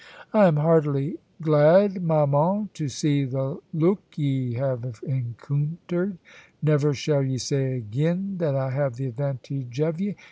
"I am heartily glad, ma mon, to see the loock ye have encoontered. Never shall ye say agin that I have the advantage of ye.